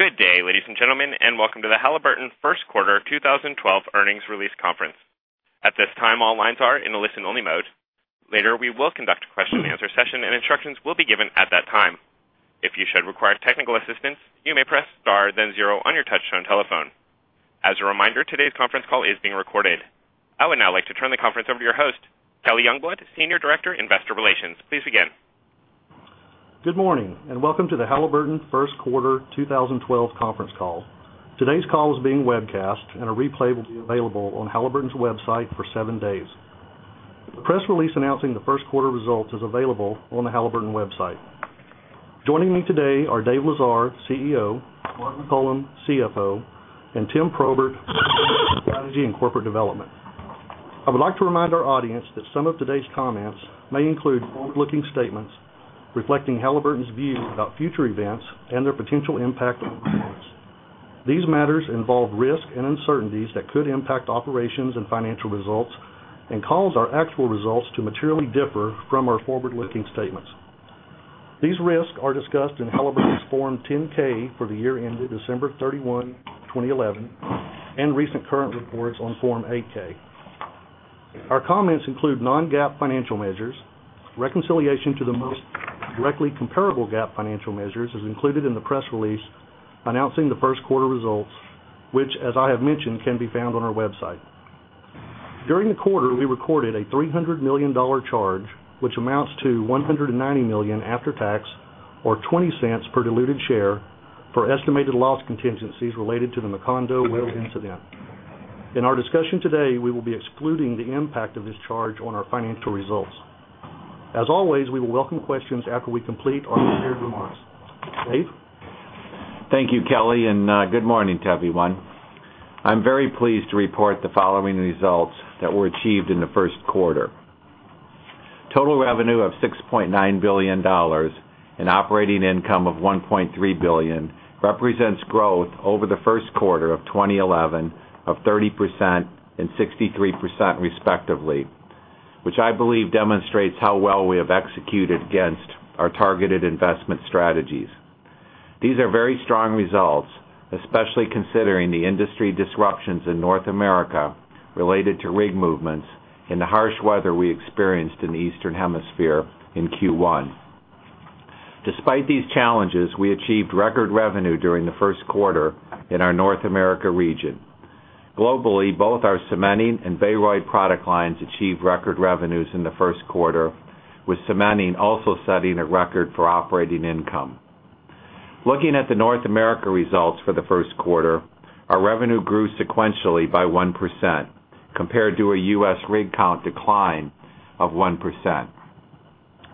Good day, ladies and gentlemen, and welcome to the Halliburton First Quarter 2012 Earnings Release Conference. At this time, all lines are in a listen-only mode. Later, we will conduct a question-and-answer session, and instructions will be given at that time. If you should require technical assistance, you may press star, then zero on your touch-tone telephone. As a reminder, today's conference call is being recorded. I would now like to turn the conference over to your host, Kelly Youngblood, Senior Director, Investor Relations. Please begin. Good morning, and welcome to the Halliburton First Quarter 2012 Conference Call. Today's call is being webcast, and a replay will be available on Halliburton's website for seven days. The press release announcing the first quarter results is available on the Halliburton website. Joining me today are Dave Lesar, CEO, Mark McCollum, CFO, and Tim Probert, President, Strategy and Corporate Development. I would like to remind our audience that some of today's comments may include forward-looking statements reflecting Halliburton's views about future events and their potential impact. These matters involve risks and uncertainties that could impact operations and financial results, and cause our actual results to materially differ from our forward-looking statements. These risks are discussed in Halliburton's Form 10-K for the year ended December 31, 2011, and recent current reports on Form 8-K. Our comments include non-GAAP financial measures. Reconciliation to the most directly comparable GAAP financial measures is included in the press release announcing the first quarter results, which, as I have mentioned, can be found on our website. During the quarter, we recorded a $300 million charge, which amounts to $190 million after tax or $0.20 per diluted share for estimated loss contingencies related to the Macondo well incident. In our discussion today, we will be excluding the impact of this charge on our financial results. As always, we will welcome questions after we complete our prepared remarks. Dave? Thank you, Kelly, and good morning to everyone. I'm very pleased to report the following results that were achieved in the first quarter. Total revenue of $6.9 billion and operating income of $1.3 billion represents growth over the first quarter of 2011 of 30% and 63% respectively, which I believe demonstrates how well we have executed against our targeted investment strategies. These are very strong results, especially considering the industry disruptions in North America related to rig movements and the harsh weather we experienced in the Eastern Hemisphere in Q1. Despite these challenges, we achieved record revenue during the first quarter in our North America region. Globally, both our cementing and Baroid product lines achieved record revenues in the first quarter, with cementing also setting a record for operating income. Looking at the North America results for the first quarter, our revenue grew sequentially by 1% compared to a U.S. rig count decline of 1%.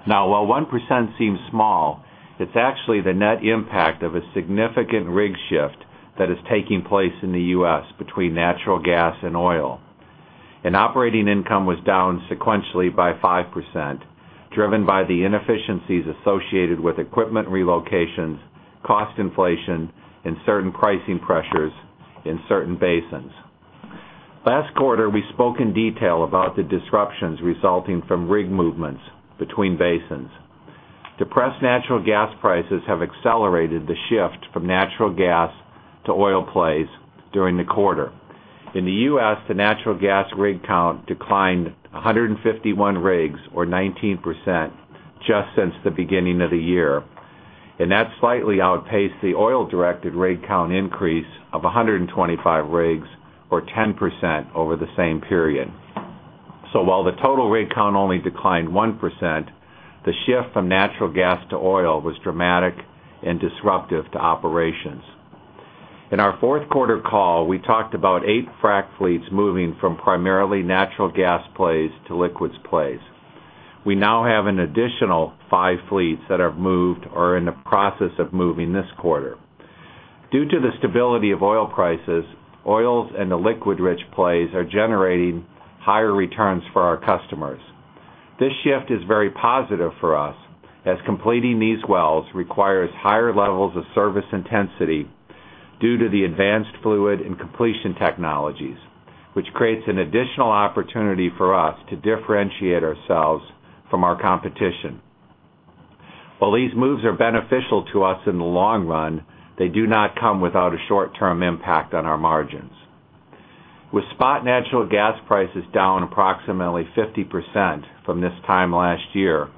While 1% seems small, it's actually the net impact of a significant rig shift that is taking place in the U.S. between natural gas and oil. Operating income was down sequentially by 5%, driven by the inefficiencies associated with equipment relocations, cost inflation, and certain pricing pressures in certain basins. Last quarter, we spoke in detail about the disruptions resulting from rig movements between basins. Depressed natural gas prices have accelerated the shift from natural gas to oil plays during the quarter. In the U.S., the natural gas rig count declined 151 rigs, or 19%, just since the beginning of the year. That slightly outpaced the oil-directed rig count increase of 125 rigs, or 10%, over the same period. While the total rig count only declined 1%, the shift from natural gas to oil was dramatic and disruptive to operations. In our fourth quarter call, we talked about eight frac fleets moving from primarily natural gas plays to liquids plays. We now have an additional five fleets that have moved or are in the process of moving this quarter. Due to the stability of oil prices, oils and the liquids-rich plays are generating higher returns for our customers. This shift is very positive for us, as completing these wells requires higher levels of service intensity due to the advanced fluid and completion technologies, which creates an additional opportunity for us to differentiate ourselves from our competition. While these moves are beneficial to us in the long run, they do not come without a short-term impact on our margins. With spot natural gas prices down approximately 50% from this time last year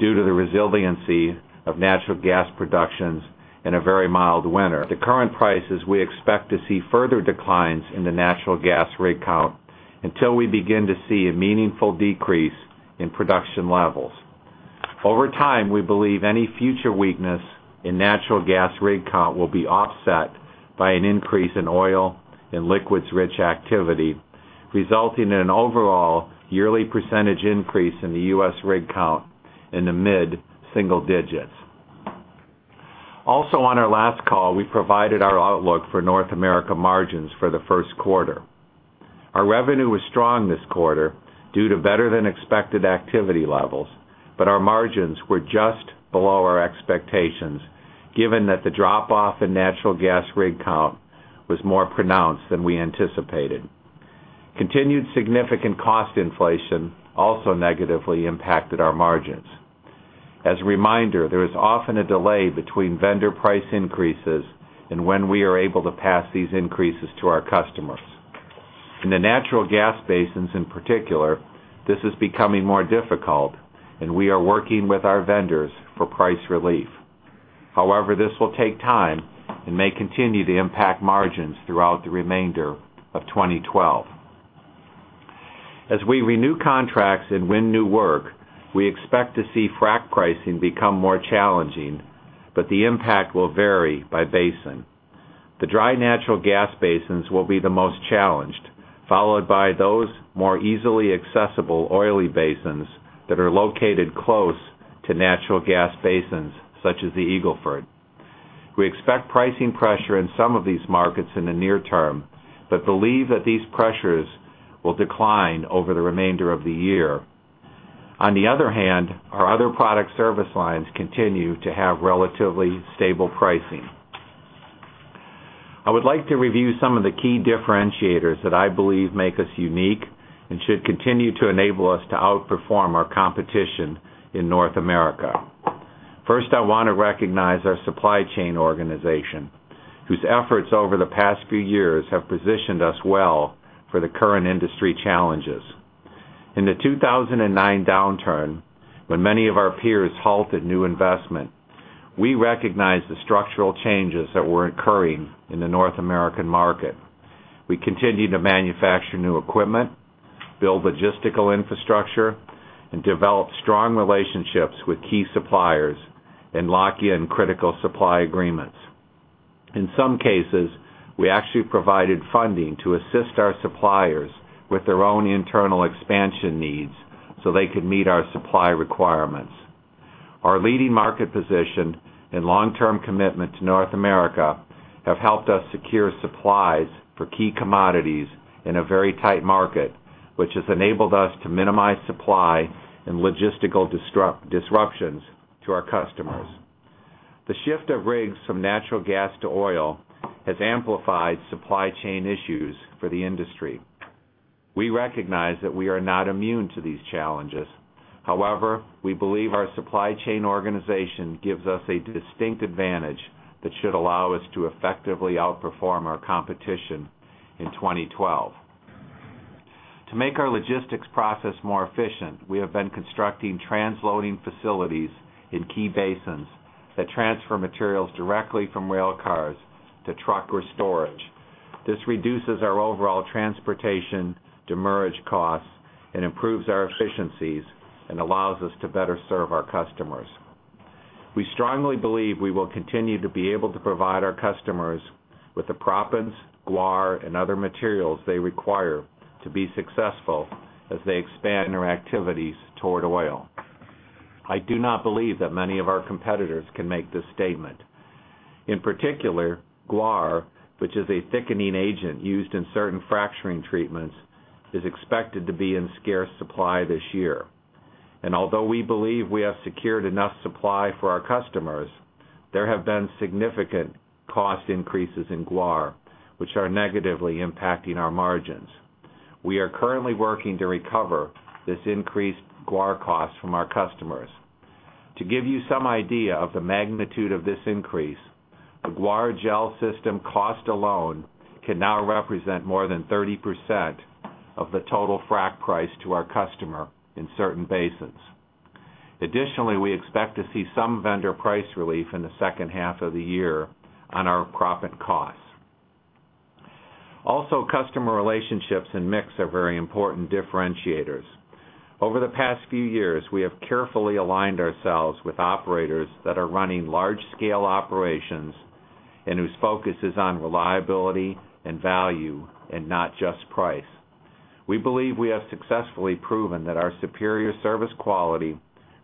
due to the resiliency of natural gas production in a very mild winter, the current prices, we expect to see further declines in the natural gas rig count until we begin to see a meaningful decrease in production levels. Over time, we believe any future weakness in natural gas rig count will be offset by an increase in oil and liquids-rich activity, resulting in an overall yearly percentage increase in the U.S. rig count in the mid-single digits. Also, on our last call, we provided our outlook for North America margins for the first quarter. Our revenue was strong this quarter due to better-than-expected activity levels, but our margins were just below our expectations, given that the drop-off in natural gas rig count was more pronounced than we anticipated. Continued significant cost inflation also negatively impacted our margins. As a reminder, there is often a delay between vendor price increases and when we are able to pass these increases to our customers. In the natural gas basins in particular, this is becoming more difficult, and we are working with our vendors for price relief. However, this will take time and may continue to impact margins throughout the remainder of 2012. As we renew contracts and win new work, we expect to see frack pricing become more challenging, but the impact will vary by basin. The dry natural gas basins will be the most challenged, followed by those more easily accessible oily basins that are located close to natural gas basins such as the Eagle Ford. We expect pricing pressure in some of these markets in the near term, but believe that these pressures will decline over the remainder of the year. On the other hand, our other product service lines continue to have relatively stable pricing. I would like to review some of the key differentiators that I believe make us unique and should continue to enable us to outperform our competition in North America. First, I want to recognize our supply chain organization, whose efforts over the past few years have positioned us well for the current industry challenges. In the 2009 downturn, when many of our peers halted new investment, we recognized the structural changes that were occurring in the North American market. We continued to manufacture new equipment, build logistical infrastructure, and develop strong relationships with key suppliers and lock in critical supply agreements. In some cases, we actually provided funding to assist our suppliers with their own internal expansion needs so they could meet our supply requirements. Our leading market position and long-term commitment to North America have helped us secure supplies for key commodities in a very tight market, which has enabled us to minimize supply and logistical disruptions to our customers. The shift of rigs from natural gas to oil has amplified supply chain issues for the industry. We recognize that we are not immune to these challenges. However, we believe our supply chain organization gives us a distinct advantage that should allow us to effectively outperform our competition in 2012. To make our logistics process more efficient, we have been constructing transloading facilities in key basins that transfer materials directly from rail cars to truck or storage. This reduces our overall transportation, demurrage costs, and improves our efficiencies and allows us to better serve our customers. We strongly believe we will continue to be able to provide our customers with the proppants, guar, and other materials they require to be successful as they expand their activities toward oil. I do not believe that many of our competitors can make this statement. In particular, guar, which is a thickening agent used in certain fracturing treatments, is expected to be in scarce supply this year. Although we believe we have secured enough supply for our customers, there have been significant cost increases in guar, which are negatively impacting our margins. We are currently working to recover this increased guar cost from our customers. To give you some idea of the magnitude of this increase, a guar gel system cost alone can now represent more than 30% of the total frac price to our customer in certain basins. Additionally, we expect to see some vendor price relief in the second half of the year on our proppant costs. Also, customer relationships and mix are very important differentiators. Over the past few years, we have carefully aligned ourselves with operators that are running large-scale operations and whose focus is on reliability and value and not just price. We believe we have successfully proven that our superior service quality,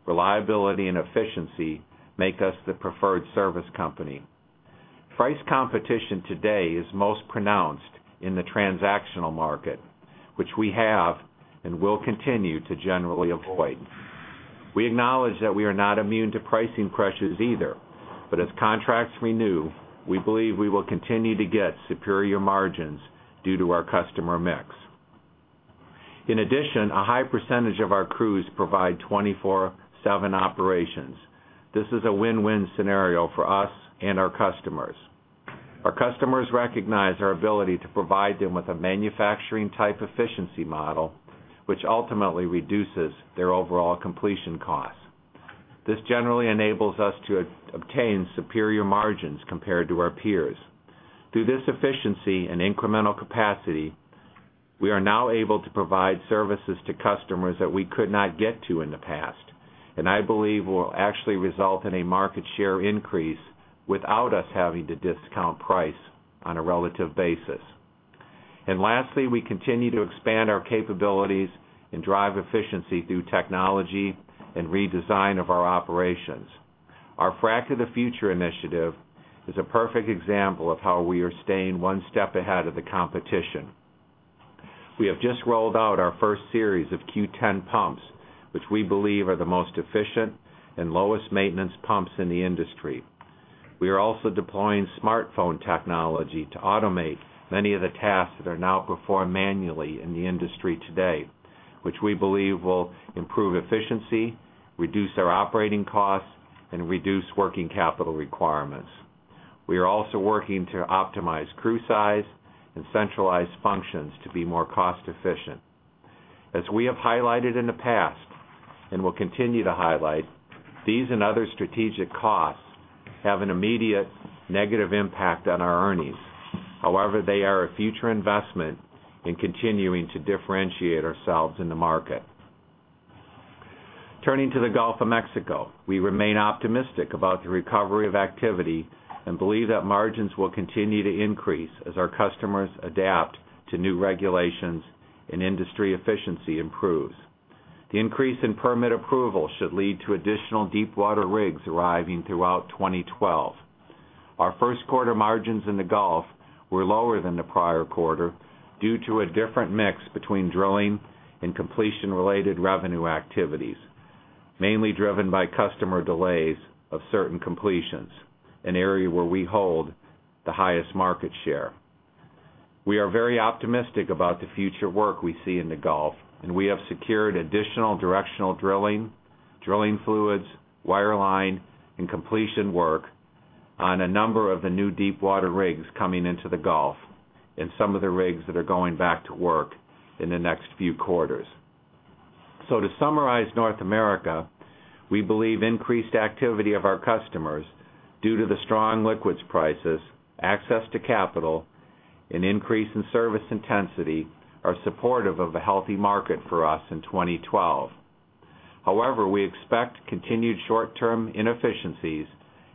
reliability, and efficiency make us the preferred service company. Price competition today is most pronounced in the transactional market, which we have and will continue to generally avoid. We acknowledge that we are not immune to pricing pressures either, but as contracts renew, we believe we will continue to get superior margins due to our customer mix. In addition, a high percentage of our crews provide 24/7 operations. This is a win-win scenario for us and our customers. Our customers recognize our ability to provide them with a manufacturing-type efficiency model, which ultimately reduces their overall completion costs. This generally enables us to obtain superior margins compared to our peers. Through this efficiency and incremental capacity, we are now able to provide services to customers that we could not get to in the past, and I believe will actually result in a market share increase without us having to discount price on a relative basis. Lastly, we continue to expand our capabilities and drive efficiency through technology and redesign of our operations. Our Frac of the Future initiative is a perfect example of how we are staying one step ahead of the competition. We have just rolled out our first series of Q10 pumps, which we believe are the most efficient and lowest maintenance pumps in the industry. We are also deploying smartphone technology to automate many of the tasks that are now performed manually in the industry today, which we believe will improve efficiency, reduce our operating costs, and reduce working capital requirements. We are also working to optimize crew size and centralize functions to be more cost-efficient. As we have highlighted in the past and will continue to highlight, these and other strategic costs have an immediate negative impact on our earnings. However, they are a future investment in continuing to differentiate ourselves in the market. Turning to the Gulf of Mexico, we remain optimistic about the recovery of activity and believe that margins will continue to increase as our customers adapt to new regulations and industry efficiency improves. The increase in permit approvals should lead to additional deepwater rigs arriving throughout 2012. Our first quarter margins in the Gulf were lower than the prior quarter due to a different mix between drilling and completion-related revenue activities, mainly driven by customer delays of certain completions, an area where we hold the highest market share. We are very optimistic about the future work we see in the Gulf, and we have secured additional directional drilling, drilling fluids, wireline, and completion work on a number of the new deepwater rigs coming into the Gulf and some of the rigs that are going back to work in the next few quarters. To summarize North America, we believe increased activity of our customers due to the strong liquids prices, access to capital, and increase in service intensity are supportive of a healthy market for us in 2012. However, we expect continued short-term inefficiencies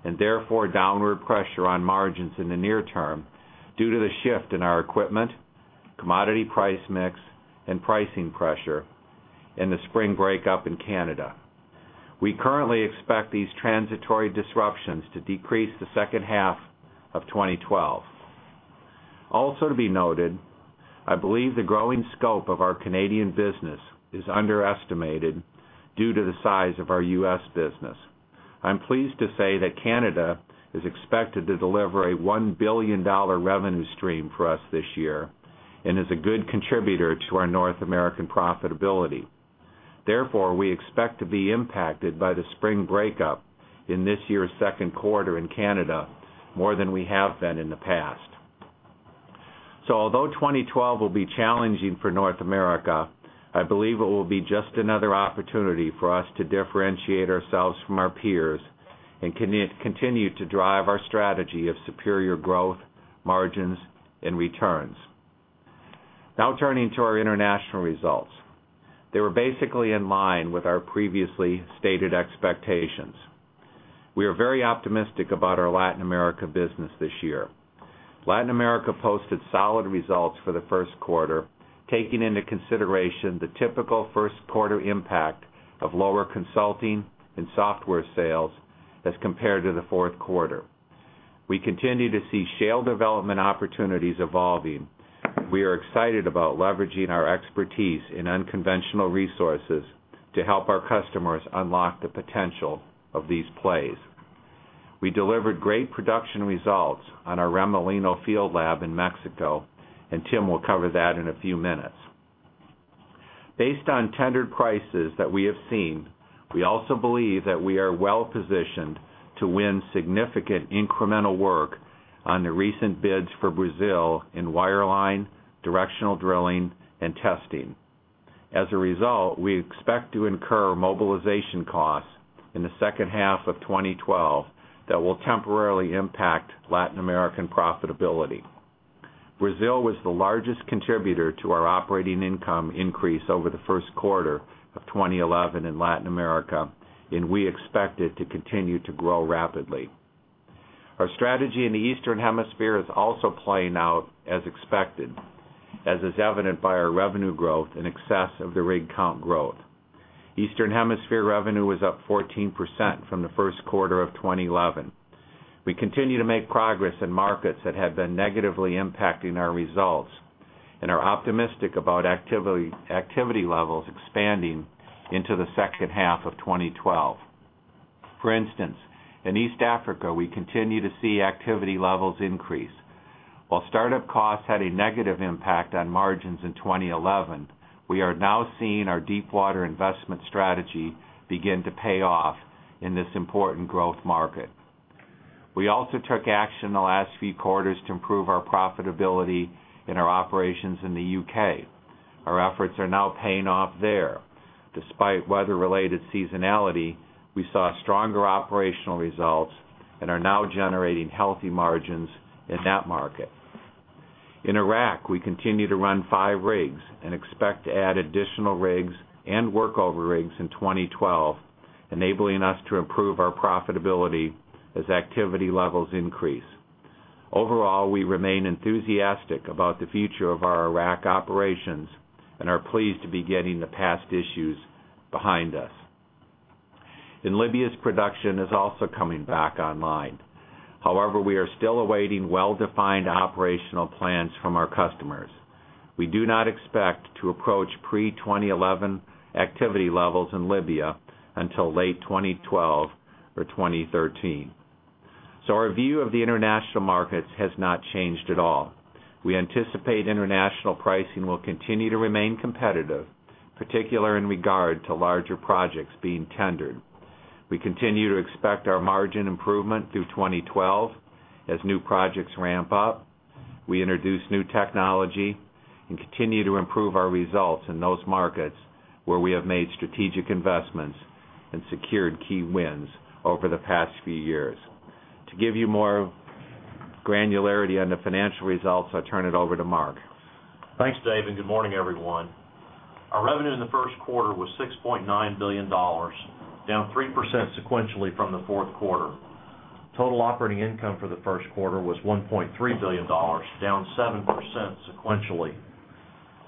and therefore downward pressure on margins in the near term due to the shift in our equipment, commodity price mix, and pricing pressure in the Canadian spring breakup. We currently expect these transitory disruptions to decrease in the second half of 2012. Also to be noted, I believe the growing scope of our Canadian business is underestimated due to the size of our U.S. business. I'm pleased to say that Canada is expected to deliver a $1 billion revenue stream for us this year and is a good contributor to our North American profitability. Therefore, we expect to be impacted by the spring breakup in this year's second quarter in Canada more than we have been in the past. Although 2012 will be challenging for North America, I believe it will be just another opportunity for us to differentiate ourselves from our peers and continue to drive our strategy of superior growth, margins, and returns. Now turning to our international results, they were basically in line with our previously stated expectations. We are very optimistic about our Latin America business this year. Latin America posted solid results for the first quarter, taking into consideration the typical first quarter impact of lower consulting and software sales as compared to the fourth quarter. We continue to see shale development opportunities evolving. We are excited about leveraging our expertise in unconventional resources to help our customers unlock the potential of these plays. We delivered great production results on our lab in Remolino field Mexico, and Tim will cover that in a few minutes. Based on tendered prices that we have seen, we also believe that we are well-positioned to win significant incremental work on the recent bids for Brazil in wireline, directional drilling, and testing. As a result, we expect to incur mobilization costs in the second half of 2012 that will temporarily impact Latin American profitability. Brazil was the largest contributor to our operating income increase over the first quarter of 2011 in Latin America, and we expect it to continue to grow rapidly. Our strategy in the Eastern Hemisphere is also playing out as expected, as is evident by our revenue growth in excess of the rig count growth. Eastern Hemisphere revenue was up 14% from the first quarter of 2011. We continue to make progress in markets that had been negatively impacting our results, and are optimistic about activity levels expanding into the second half of 2012. For instance, in East Africa, we continue to see activity levels increase. While startup costs had a negative impact on margins in 2011, we are now seeing our deepwater investment strategy begin to pay off in this important growth market. We also took action in the last few quarters to improve our profitability in our operations in the U.K.. Our efforts are now paying off there. Despite weather-related seasonality, we saw stronger operational results and are now generating healthy margins in that market. In Iraq, we continue to run five rigs and expect to add additional rigs and work over rigs in 2012, enabling us to improve our profitability as activity levels increase. Overall, we remain enthusiastic about the future of our Iraq operations and are pleased to be getting the past issues behind us. In Libya, production is also coming back online. However, we are still awaiting well-defined operational plans from our customers. We do not expect to approach pre-2011 activity levels in Libya until late 2012 or 2013. Our view of the international markets has not changed at all. We anticipate international pricing will continue to remain competitive, particularly in regard to larger projects being tendered. We continue to expect our margin improvement through 2012 as new projects ramp up. We introduce new technology and continue to improve our results in those markets where we have made strategic investments and secured key wins over the past few years. To give you more granularity on the financial results, I'll turn it over to Mark. Thanks, Dave, and good morning, everyone. Our revenue in the first quarter was $6.9 billion, down 3% sequentially from the fourth quarter. Total operating income for the first quarter was $1.3 billion, down 7% sequentially.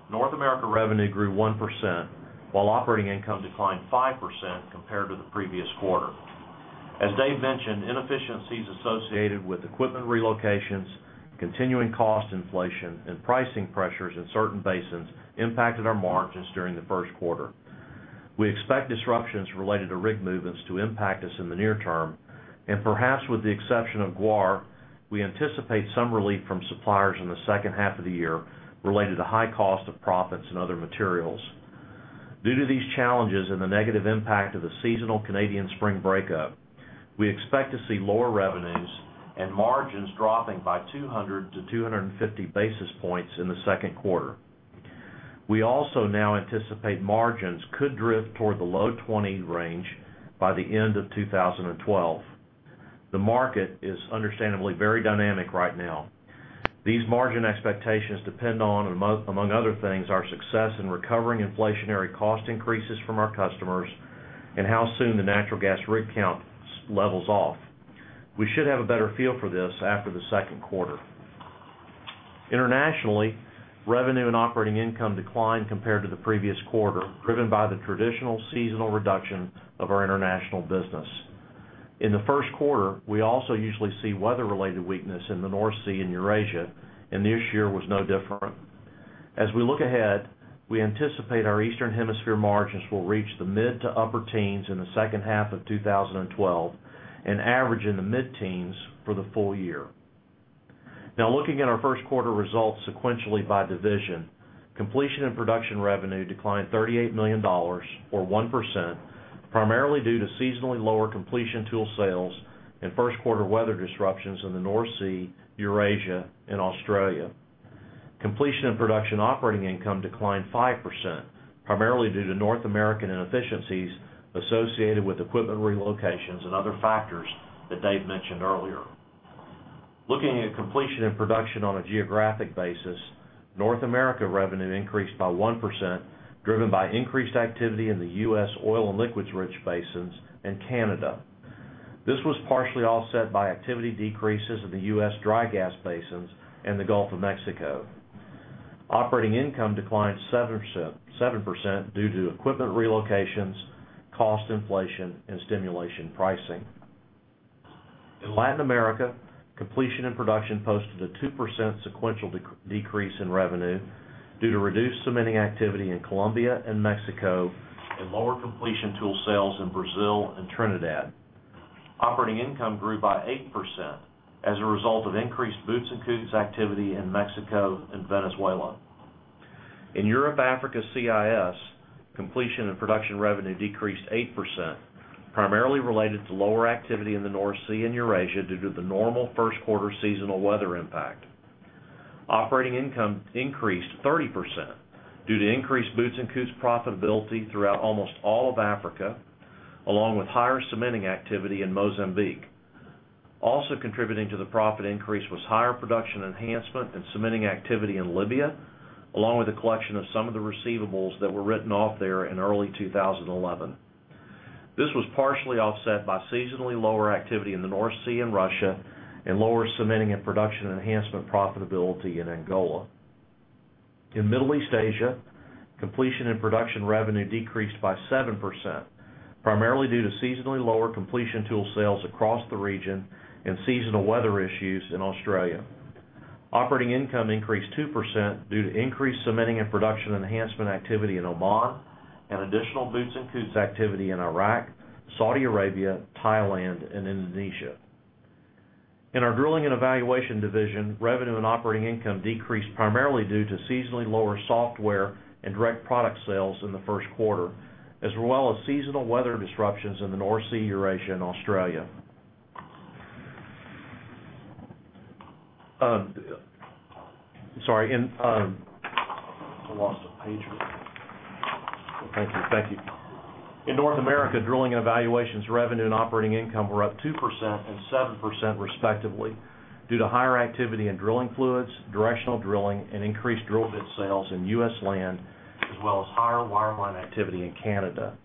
North America revenue grew 1%, while operating income declined 5% compared to the previous quarter. As Dave mentioned, inefficiencies associated with equipment relocations, continuing cost inflation, and pricing pressures in certain basins impacted our margins during the first quarter. We expect disruptions related to rig movements to impact us in the near term, and perhaps with the exception of guar, we anticipate some relief from suppliers in the second half of the year related to high cost of proppants and other materials. Due to these challenges and the negative impact of the seasonal Canadian spring breakup, we expect to see lower revenues and margins dropping by 200 basis points - 250 basis points in the second quarter. We also now anticipate margins could drift toward the low 20% range by the end of 2012. The market is understandably very dynamic right now. These margin expectations depend on, among other things, our success in recovering inflationary cost increases from our customers and how soon the natural gas rig count levels off. We should have a better feel for this after the second quarter. Internationally, revenue and operating income declined compared to the previous quarter, driven by the traditional seasonal reduction of our international business. In the first quarter, we also usually see weather-related weakness in the North Sea and Eurasia, and this year was no different. As we look ahead, we anticipate our Eastern Hemisphere margins will reach the mid to upper teens in the second half of 2012 and average in the mid-teens for the full year. Now, looking at our first quarter results sequentially by division, completion and production revenue declined $38 million, or 1%, primarily due to seasonally lower completion tool sales and first quarter weather disruptions in the North Sea, Eurasia, and Australia. Completion and production operating income declined 5%, primarily due to North American inefficiencies associated with equipment relocations and other factors that Dave mentioned earlier. Looking at completion and production on a geographic basis, North America revenue increased by 1%, driven by increased activity in the U.S. oil and liquids-rich basins and Canada. This was partially offset by activity decreases in the U.S. Dry gas basins and the Gulf of Mexico. Operating income declined 7% due to equipment relocations, cost inflation, and stimulation pricing. In Latin America, Completion and Production posted a 2% sequential decrease in revenue due to reduced cementing activity in Colombia and Mexico and lower completion tool sales in Brazil and Trinidad. Operating income grew by 8% as a result of increased Boots & Coots activity in Mexico and Venezuela. In Europe, Africa's CIS, Completion and Production revenue decreased 8%, primarily related to lower activity in the North Sea and Eurasia due to the normal first quarter seasonal weather impact. Operating income increased 30% due to increased Boots & Coots profitability throughout almost all of Africa, along with higher cementing activity in Mozambique. Also contributing to the profit increase was higher production enhancement and cementing activity in Libya, along with the collection of some of the receivables that were written off there in early 2011. This was partially offset by seasonally lower activity in the North Sea and Russia and lower cementing and production enhancement profitability in Angola. In Middle East Asia, Completion and Production revenue decreased by 7%, primarily due to seasonally lower completion tool sales across the region and seasonal weather issues in Australia. Operating income increased 2% due to increased cementing and production enhancement activity in Oman and additional Boots & Coots activity in Iraq, Saudi Arabia, Thailand, and Indonesia. In our Drilling and Evaluation division, revenue and operating income decreased primarily due to seasonally lower software and direct product sales in the first quarter, as well as seasonal weather disruptions in the North Sea, Eurasia, and Australia. Thank you. In North America, Drilling and Evaluation's revenue and operating income were up 2% and 7% respectively due to higher activity in drilling fluids, directional drilling, and increased drilled bit sales in U.S. land, as well as higher wireline activity in Canada.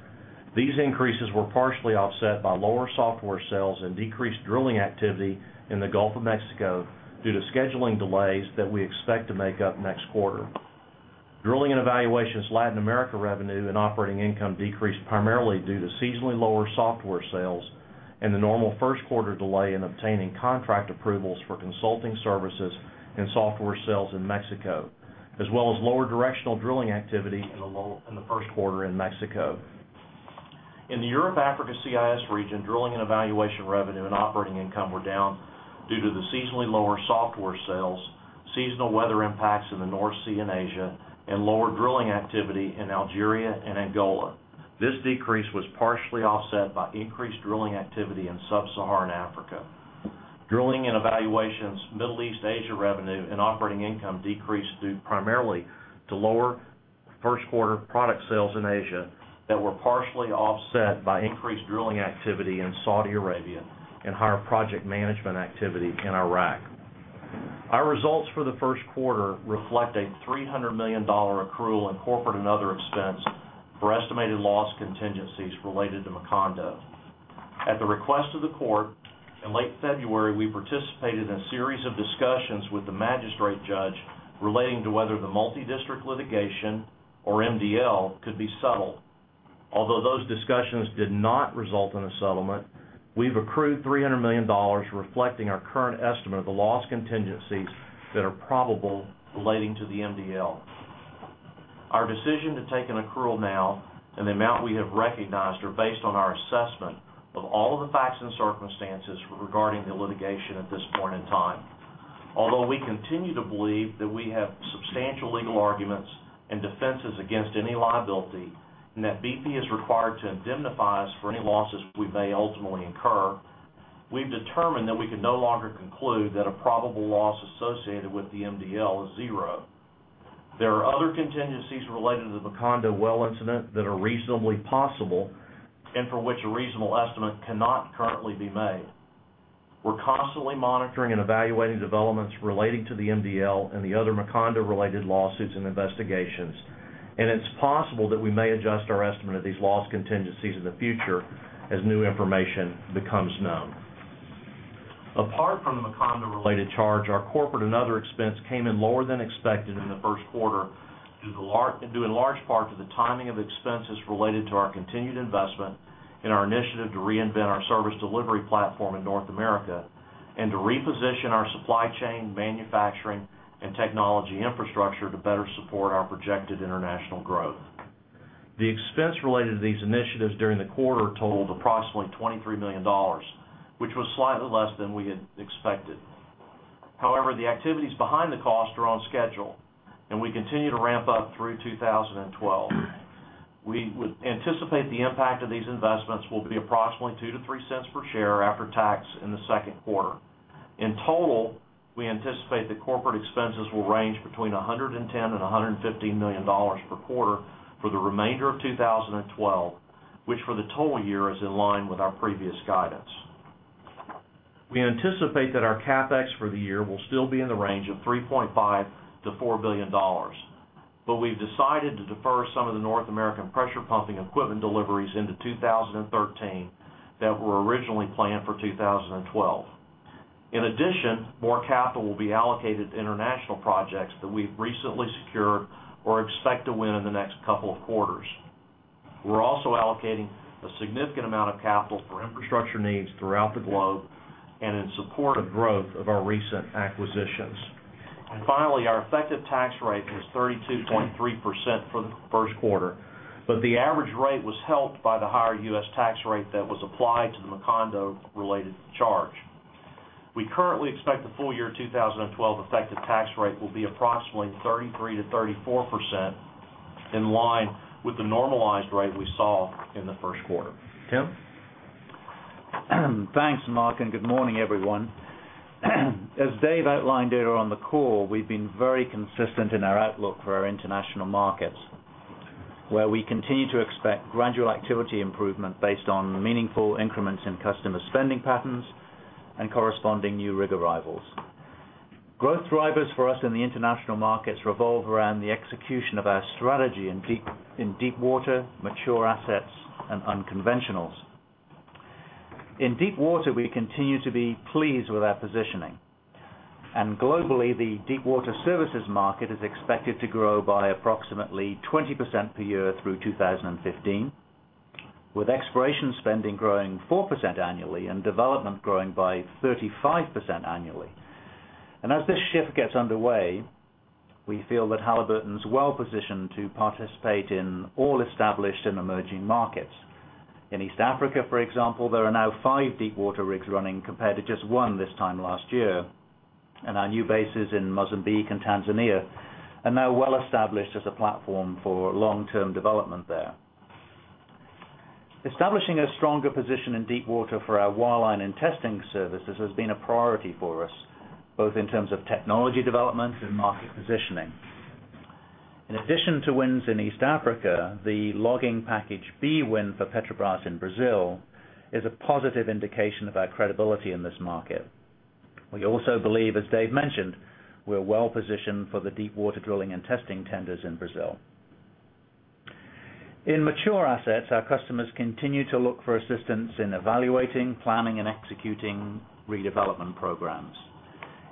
These increases were partially offset by lower software sales and decreased drilling activity in the Gulf of Mexico due to scheduling delays that we expect to make up next quarter. Drilling and Evaluations Latin America revenue and operating income decreased primarily due to seasonally lower software sales and the normal first quarter delay in obtaining contract approvals for consulting services and software sales in Mexico, as well as lower directional drilling activity in the first quarter in Mexico. In the Europe/Africa CIS region, Drilling and Evaluation revenue and operating income were down due to the seasonally lower software sales, seasonal weather impacts in the North Sea and Asia, and lower drilling activity in Algeria and Angola. This decrease was partially offset by increased drilling activity in Sub-Saharan Africa. Drilling and Evaluations Middle East Asia revenue and operating income decreased primarily due to lower first quarter product sales in Asia that were partially offset by increased drilling activity in Saudi Arabia and higher project management activity in Iraq. Our results for the first quarter reflect a $300 million accrual in corporate and other expense for estimated loss contingencies related to Macondo. At the request of the court, in late February, we participated in a series of discussions with the magistrate judge relating to whether the multi-district litigation, or MDL, could be settled. Although those discussions did not result in a settlement, we've accrued $300 million, reflecting our current estimate of the loss contingencies that are probable relating to the MDL. Our decision to take an accrual now and the amount we have recognized are based on our assessment of all of the facts and circumstances regarding the litigation at this point in time. Although we continue to believe that we have substantial legal arguments and defenses against any liability and that BP is required to indemnify us for any losses we may ultimately incur, we've determined that we can no longer conclude that a probable loss associated with the MDL is zero. There are other contingencies related to the Macondo well incident that are reasonably possible and for which a reasonable estimate cannot currently be made. We're constantly monitoring and evaluating developments relating to the MDL and the other Macondo-related lawsuits and investigations, and it's possible that we may adjust our estimate of these loss contingencies in the future as new information becomes known. Apart from the Macondo-related charge, our corporate and other expense came in lower than expected in the first quarter due in large part to the timing of expenses related to our continued investment in our initiative to reinvent our service delivery platform in North America and to reposition our supply chain, manufacturing, and technology infrastructure to better support our projected international growth. The expense related to these initiatives during the quarter totaled approximately $23 million, which was slightly less than we had expected. However, the activities behind the cost are on schedule, and we continue to ramp up through 2012. We anticipate the impact of these investments will be approximately $0.02 - $0.03 per share after tax in the second quarter. In total, we anticipate that corporate expenses will range between $110 and $115 million per quarter for the remainder of 2012, which for the total year is in line with our previous guidance. We anticipate that our CapEx for the year will still be in the range of $3.5 billion - $4 billion, but we've decided to defer some of the North American pressure pumping equipment deliveries into 2013 that were originally planned for 2012. In addition, more capital will be allocated to international projects that we've recently secured or expect to win in the next couple of quarters. We're also allocating a significant amount of capital for infrastructure needs throughout the globe and in support of growth of our recent acquisitions. Finally, our effective tax rate is 32.3% for the first quarter, but the average rate was helped by the higher U.S. tax rate that was applied to the Macondo-related charge. We currently expect the full year 2012 effective tax rate will be approximately 33% - 34% in line with the normalized rate we saw in the first quarter. Tim? Thanks, Mark, and good morning, everyone. As Dave outlined earlier on the call, we've been very consistent in our outlook for our international markets, where we continue to expect gradual activity improvement based on meaningful increments in customer spending patterns and corresponding new rig arrivals. Growth drivers for us in the international markets revolve around the execution of our strategy in deepwater, mature assets, and unconventionals. In deepwater, we continue to be pleased with our positioning, and globally, the deepwater services market is expected to grow by approximately 20% per year through 2015, with exploration spending growing 4% annually and development growing by 35% annually. As this shift gets underway, we feel that Halliburton is well-positioned to participate in all established and emerging markets. In East Africa, for example, there are now five deepwater rigs running compared to just one this time last year, and our new bases in Mozambique and Tanzania are now well-established as a platform for long-term development there. Establishing a stronger position in deepwater for our wireline and testing services has been a priority for us, both in terms of technology development and market positioning. In addition to wins in East Africa, the logging package fee win for Petrobras in Brazil is a positive indication of our credibility in this market. We also believe, as Dave mentioned, we're well-positioned for the deepwater drilling and testing tenders in Brazil. In mature assets, our customers continue to look for assistance in evaluating, planning, and executing redevelopment programs.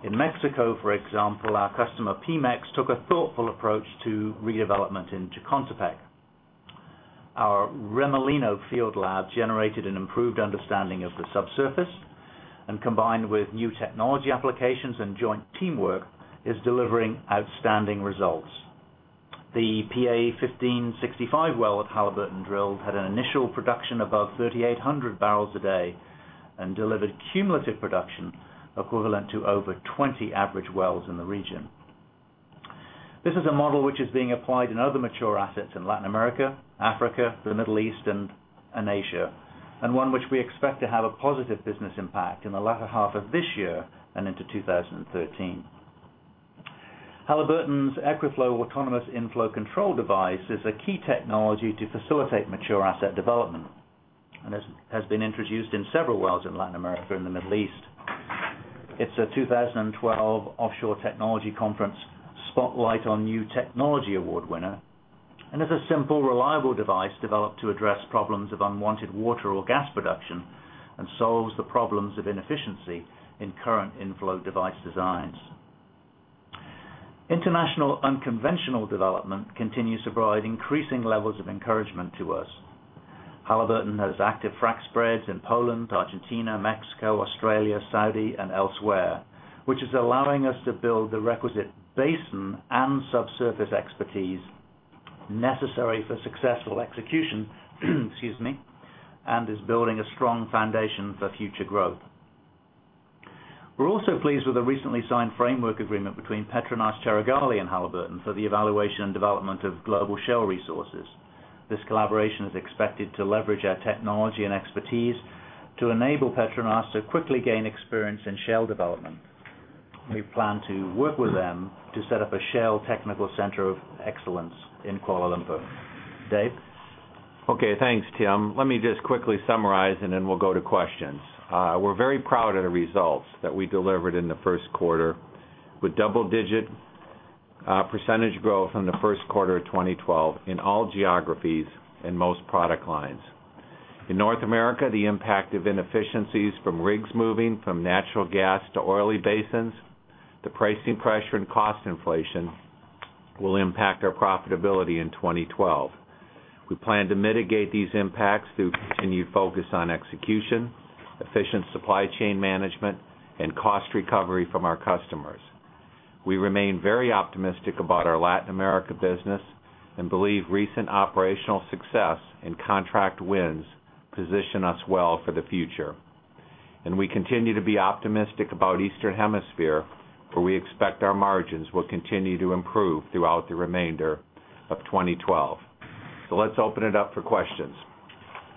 In Mexico, for example, our customer Pemex took a thoughtful approach to redevelopment into Chicontepec. Our Remolino field lab generated an improved understanding of the subsurface, and combined with new technology applications and joint teamwork, is delivering outstanding results. The PA- 1565 well at Halliburton Drill had an initial production above 3,800 bbl a day and delivered cumulative production equivalent to over 20 average wells in the region. This is a model which is being applied in other mature assets in Latin America, Africa, the Middle East, and Asia, and one which we expect to have a positive business impact in the latter half of this year and into 2013. Halliburton's EquiFlow Autonomous Inflow Control Device is a key technology to facilitate mature asset development and has been introduced in several wells in Latin America and the Middle East. It's a 2012 Offshore Technology Conference Spotlight on New Technology Award winner and is a simple, reliable device developed to address problems of unwanted water or gas production and solves the problems of inefficiency in current inflow device designs. International unconventional development continues to provide increasing levels of encouragement to us. Halliburton has active frac spreads in Poland, Argentina, Mexico, Australia, Saudi, and elsewhere, which is allowing us to build the requisite basin and subsurface expertise necessary for successful execution and is building a strong foundation for future growth. We're also pleased with a recently signed framework agreement between PETRONAS and Halliburton for the evaluation and development of global shale resources. This collaboration is expected to leverage our technology and expertise to enable PETRONAS to quickly gain experience in shale development. We plan to work with them to set up a shale technical center of excellence in Kuala Lumpur. Dave? Okay, thanks, Tim. Let me just quickly summarize and then we'll go to questions. We're very proud of the results that we delivered in the first quarter, with double-digit percentage growth in the first quarter of 2012 in all geographies and most product lines. In North America, the impact of inefficiencies from rigs moving from natural gas to oily basins, the pricing pressure, and cost inflation will impact our profitability in 2012. We plan to mitigate these impacts through continued focus on execution, efficient supply chain management, and cost recovery from our customers. We remain very optimistic about our Latin America business and believe recent operational success and contract wins position us well for the future. We continue to be optimistic about the Eastern Hemisphere, for we expect our margins will continue to improve throughout the remainder of 2012. Let's open it up for questions.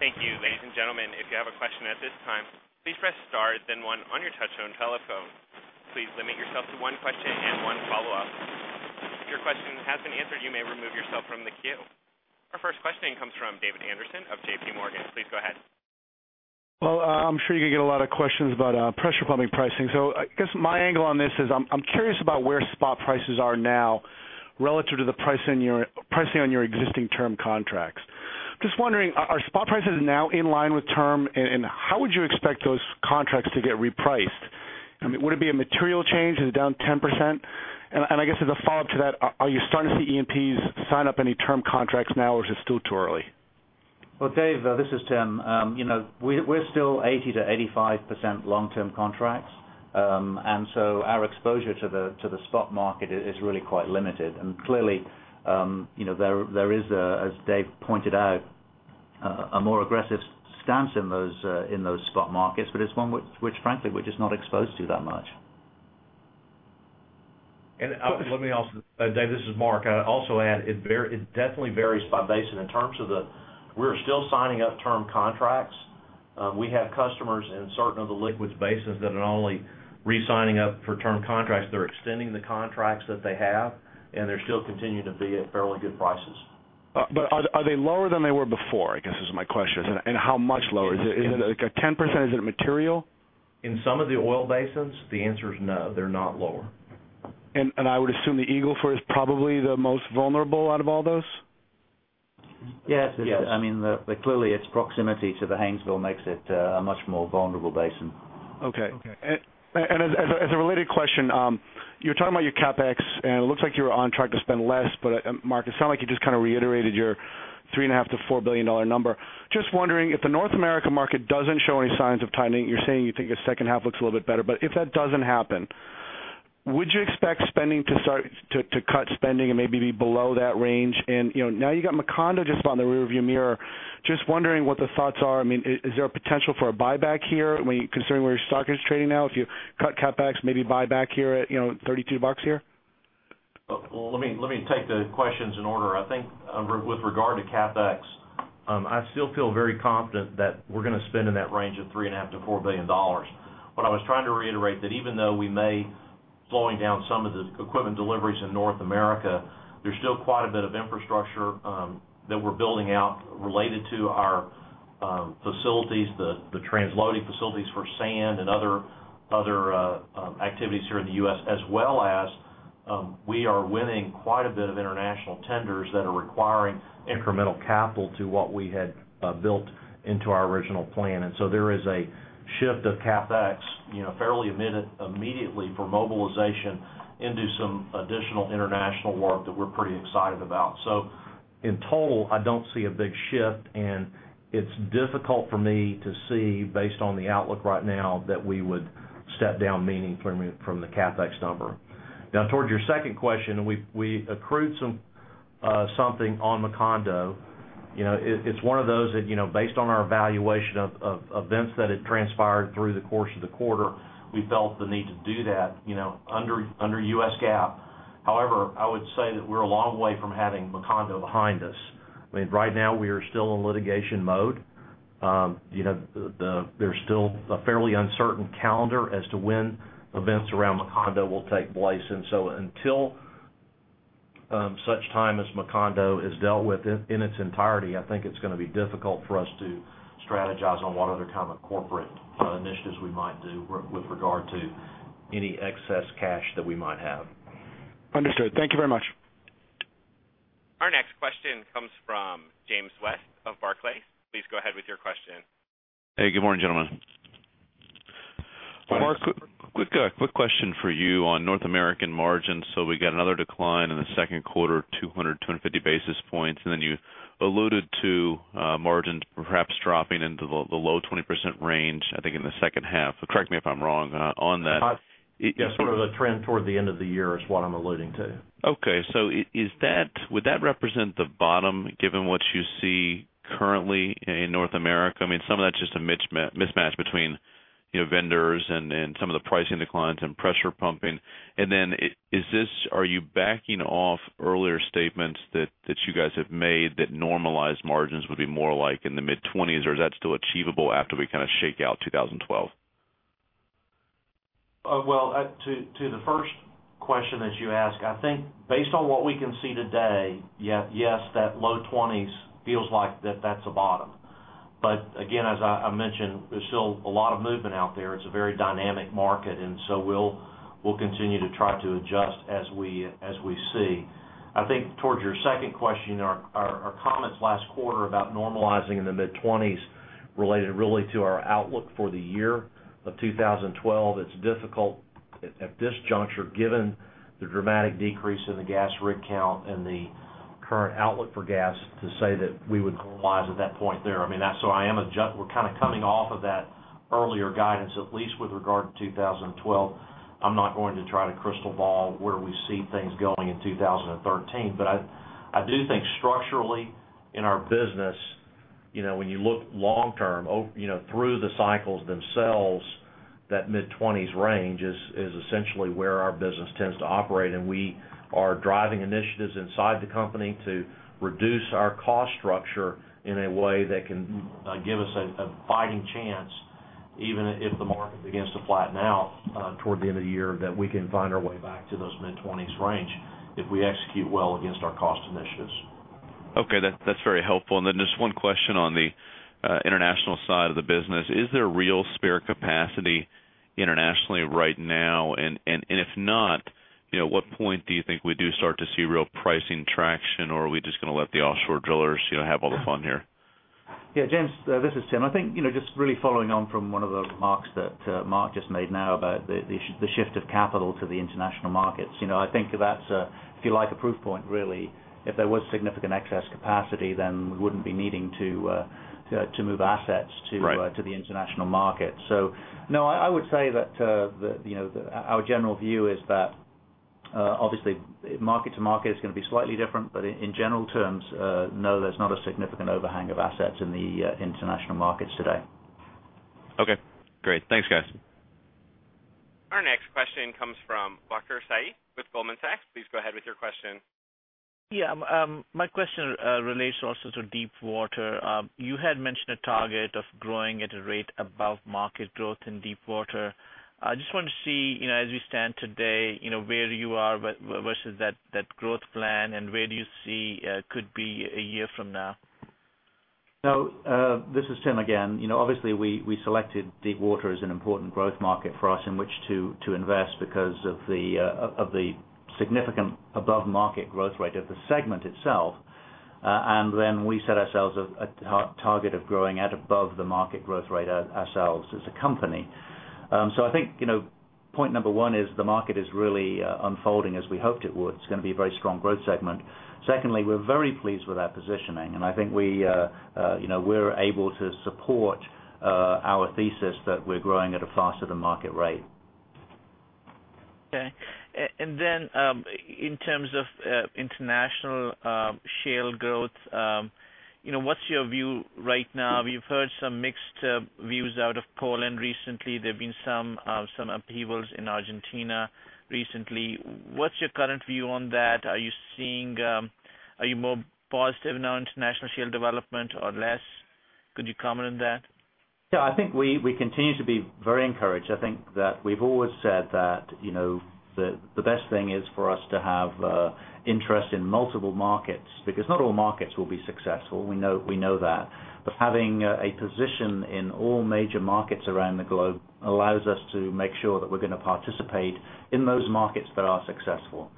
Thank you, ladies and gentlemen. If you have a question at this time, please press star and then one on your touch-tone telephone. Please limit yourself to one question and one follow-up. If your question has been answered, you may remove yourself from the queue. Our first question comes from David Anderson of JPMorgan. Please go ahead. I'm sure you can get a lot of questions about pressure pumping pricing. My angle on this is I'm curious about where spot prices are now relative to the pricing on your existing term contracts. Just wondering, are spot prices now in line with term, and how would you expect those contracts to get repriced? I mean, would it be a material change? Is it down 10%? As a follow-up to that, are you starting to see E&Ps sign up any term contracts now, or is it still too early? Dave, this is Tim. We're still 80% - 85% long-term contracts, and our exposure to the spot market is really quite limited. Clearly, as Dave pointed out, there is a more aggressive stance in those spot markets, but it's one which, frankly, we're just not exposed to that much. Let me also, Dave, this is Mark. I also add it definitely varies by basin. In terms of the, we're still signing up term contracts. We have customers in certain of the liquids-rich basins that are not only resigning up for term contracts, they're extending the contracts that they have, and they're still continuing to be at fairly good prices. Are they lower than they were before? I guess this is my question. How much lower? Is it like a 10%? Is it material? In some of the oil basins, the answer is no, they're not lower. I would assume the Eagle Ford is probably the most vulnerable out of all those? Yes, I mean, clearly its proximity to the Haynesville makes it a much more vulnerable basin. Okay. As a related question, you're talking about your CapEx and it looks like you were on track to spend less, but Mark, it sounds like you just kind of reiterated your $3.5 billion - $4 billion number. Just wondering, if the North America market doesn't show any signs of tightening, you're saying you think the second half looks a little bit better, but if that doesn't happen, would you expect to cut spending and maybe be below that range? You know, now you got Macondo just in the rearview mirror. Just wondering what the thoughts are. I mean, is there a potential for a buyback here considering where your stock is trading now? If you cut CapEx, maybe buy back here at $32 here? Let me take the questions in order. I think with regard to CapEx, I still feel very confident that we're going to spend in that range of $3.5 billion - $4 billion. What I was trying to reiterate is that even though we may be slowing down some of the equipment deliveries in North America, there's still quite a bit of infrastructure that we're building out related to our facilities, the transloading facilities for sand and other activities here in the U.S., as well as we are winning quite a bit of international tenders that are requiring incremental capital to what we had built into our original plan. There is a shift of CapEx fairly immediately for mobilization into some additional international work that we're pretty excited about. In total, I don't see a big shift, and it's difficult for me to see based on the outlook right now that we would step down meaningfully from the CapEx number. Now, towards your second question, we accrued something on Macondo. It's one of those that, based on our evaluation of events that had transpired through the course of the quarter, we felt the need to do that under U.S. GAAP. However, I would say that we're a long way from having Macondo behind us. Right now we are still in litigation mode. There's still a fairly uncertain calendar as to when events around Macondo will take place. Until such time as Macondo is dealt with in its entirety, I think it's going to be difficult for us to strategize on what other kind of corporate initiatives we might do with regard to any excess cash that we might have. Understood. Thank you very much. Our next question comes from James West of Barclays. Please go ahead with your question. Hey, good morning, gentlemen. Mark, quick question for you on North American margins. We got another decline in the second quarter, 200 basis points - 250 basis points, and then you alluded to margins perhaps dropping into the low 20% range, I think in the second half. Correct me if I'm wrong on that. Yeah, sort of a trend toward the end of the year is what I'm alluding to. Okay, would that represent the bottom given what you see currently in North America? I mean, some of that's just a mismatch between vendors and some of the pricing declines in pressure pumping. Are you backing off earlier statements that you guys have made that normalized margins would be more like in the mid-20s, or is that still achievable after we kind of shake out 2012? To the first question that you asked, I think based on what we can see today, yes, that low 20s feels like that's the bottom. Again, as I mentioned, there's still a lot of movement out there. It's a very dynamic market, and we'll continue to try to adjust as we see. I think towards your second question, our comments last quarter about normalizing in the mid-20s related really to our outlook for the year of 2012. It's difficult at this juncture given the dramatic decrease in the gas rig count and the current outlook for gas to say that we would normalize at that point there. I mean, we're kind of coming off of that earlier guidance, at least with regard to 2012. I'm not going to try to crystal ball where we see things going in 2013, but I do think structurally in our business, you know, when you look long-term through the cycles themselves, that mid-20s range is essentially where our business tends to operate, and we are driving initiatives inside the company to reduce our cost structure in a way that can give us a fighting chance, even if the market begins to flatten out toward the end of the year, that we can find our way back to those mid-20s range if we execute well against our cost initiatives. Okay, that's very helpful. Just one question on the international side of the business. Is there real spare capacity internationally right now? If not, at what point do you think we do start to see real pricing traction, or are we just going to let the offshore drillers have all the fun here? Yeah, James, this is Tim. I think, you know, just really following on from one of the remarks that Mark just made now about the shift of capital to the international markets. I think that's, if you like, a proof point really. If there was significant excess capacity, then we wouldn't be needing to move assets to the international market. I would say that, you know, our general view is that obviously market to market is going to be slightly different, but in general terms, no, there's not a significant overhang of assets in the international markets today. Okay, great. Thanks, guys. Our next question comes from Waqar Syed with Goldman Sachs Group. Please go ahead with your question. Yeah, my question relates also to deepwater. You had mentioned a target of growing at a rate above market growth in deepwater. I just want to see, you know, as we stand today, you know, where you are versus that growth plan and where do you see could be a year from now? This is Tim again. Obviously, we selected deepwater as an important growth market for us in which to invest because of the significant above market growth rate of the segment itself. We set ourselves a target of growing at above the market growth rate ourselves as a company. I think point number one is the market is really unfolding as we hoped it would. It's going to be a very strong growth segment. Secondly, we're very pleased with our positioning, and I think we're able to support our thesis that we're growing at a faster than market rate. Okay, in terms of international shale growth, what's your view right now? We've heard some mixed views out of Poland recently. There have been some upheavals in Argentina recently. What's your current view on that? Are you seeing, are you more positive now on international shale development or less? Could you comment on that? Yeah, I think we continue to be very encouraged. I think that we've always said that the best thing is for us to have interest in multiple markets because not all markets will be successful. We know that. Having a position in all major markets around the globe allows us to make sure that we're going to participate in those markets that are successful.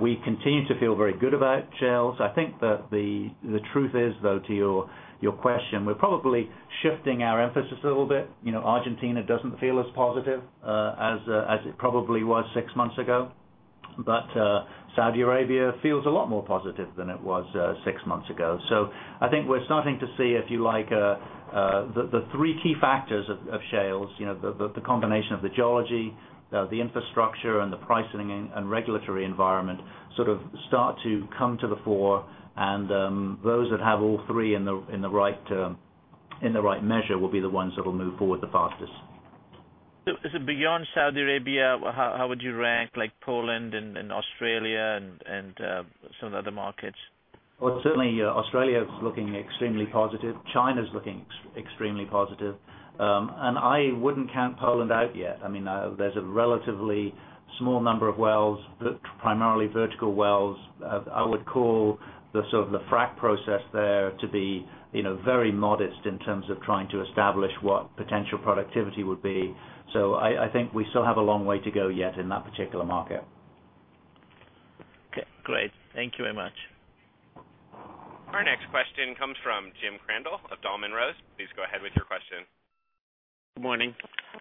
We continue to feel very good about shales. I think that the truth is, though, to your question, we're probably shifting our emphasis a little bit. Argentina doesn't feel as positive as it probably was six months ago. Saudi Arabia feels a lot more positive than it was six months ago. I think we're starting to see, if you like, the three key factors of shales, the combination of the geology, the infrastructure, and the pricing and regulatory environment sort of start to come to the fore. Those that have all three in the right measure will be the ones that will move forward the fastest. Beyond Saudi Arabia, how would you rank like Poland and Australia and some of the other markets? Australia is looking extremely positive. China is looking extremely positive. I wouldn't count Poland out yet. There's a relatively small number of wells, but primarily vertical wells. I would call the sort of the frac process there to be very modest in terms of trying to establish what potential productivity would be. I think we still have a long way to go yet in that particular market. Okay, great. Thank you very much. Our next question comes from Jim Crandell of Dahlman Rose. Please go ahead with your question. Good morning.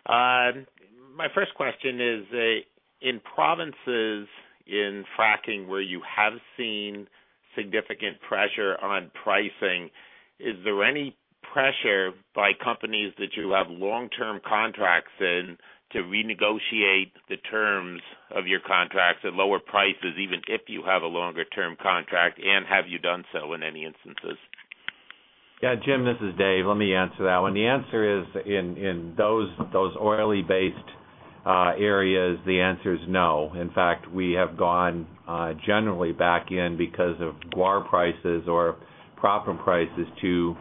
My first question is, in provinces in fracking where you have seen significant pressure on pricing, is there any pressure by companies that you have long-term contracts in to renegotiate the terms of your contracts at lower prices, even if you have a longer-term contract? Have you done so in any instances? Yeah, Jim, this is Dave. Let me answer that one. The answer is in those oily-based areas, the answer is no. In fact, we have gone generally back in because of guar prices or proppant prices to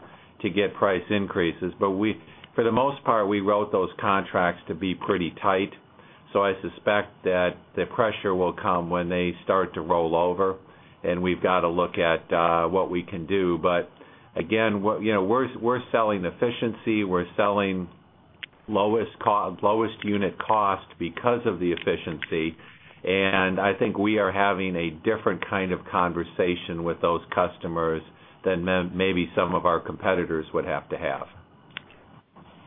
get price increases. For the most part, we wrote those contracts to be pretty tight. I suspect that the pressure will come when they start to roll over, and we've got to look at what we can do. Again, you know, we're selling efficiency, we're selling lowest unit cost because of the efficiency. I think we are having a different kind of conversation with those customers than maybe some of our competitors would have to have.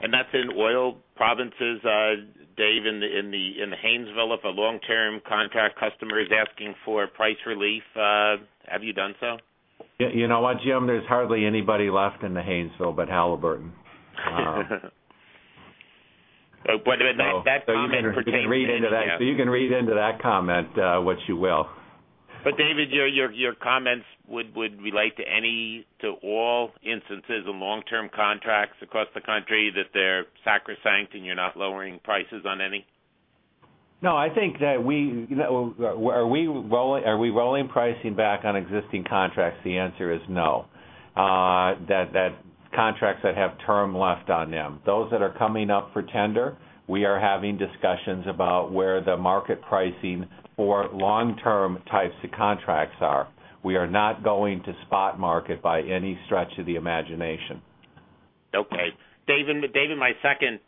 In oil provinces, Dave, in the Haynesville, if a long-term contract customer is asking for price relief, have you done so? You know what, Jim, there's hardly anybody left in the Haynesville but Halliburton. That is what you can read into that. You can read into that comment what you will. David, your comments would relate to all instances of long-term contracts across the country, that they're sacrosanct and you're not lowering prices on any? No, I think that we, are we rolling pricing back on existing contracts? The answer is no. That contracts that have term left on them, those that are coming up for tender, we are having discussions about where the market pricing for long-term types of contracts are. We are not going to spot market by any stretch of the imagination. Okay. Dave, my second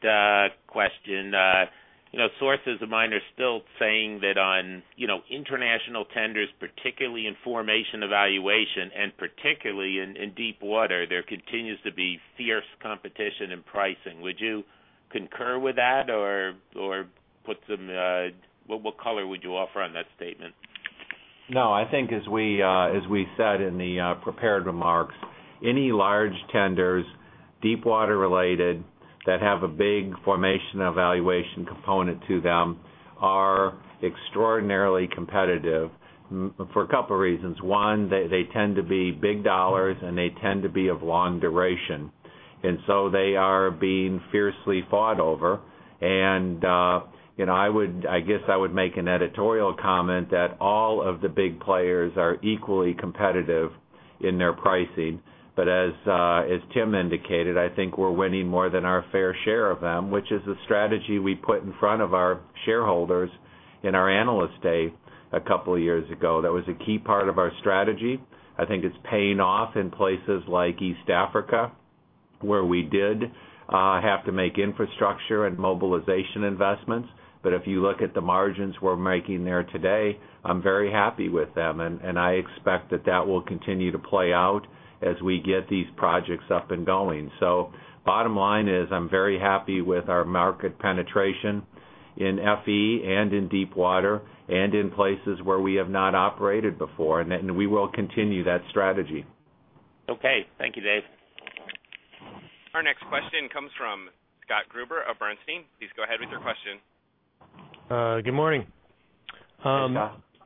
question, you know, sources of mine are still saying that on, you know, international tenders, particularly in formation evaluation and particularly in deepwater, there continues to be fierce competition in pricing. Would you concur with that or put some, what color would you offer on that statement? No, I think as we said in the prepared remarks, any large tenders, deepwater related, that have a big formation evaluation component to them are extraordinarily competitive for a couple of reasons. One, they tend to be big dollars and they tend to be of long duration. They are being fiercely fought over. I would make an editorial comment that all of the big players are equally competitive in their pricing. As Tim indicated, I think we're winning more than our fair share of them, which is a strategy we put in front of our shareholders in our analyst day a couple of years ago. That was a key part of our strategy. I think it's paying off in places like East Africa where we did have to make infrastructure and mobilization investments. If you look at the margins we're making there today, I'm very happy with them. I expect that will continue to play out as we get these projects up and going. Bottom line is I'm very happy with our market penetration in FE and in deepwater and in places where we have not operated before. We will continue that strategy. Okay, thank you, Dave. Our next question comes from Scott Gruber of Bernstein. Please go ahead with your question. Good morning.